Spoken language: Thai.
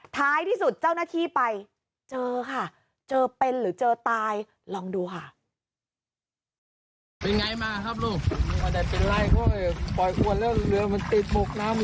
ท้ายที่สุดเจ้าหน้าที่ไปเจอค่ะเจอเป็นหรือเจอตายลองดูค่ะ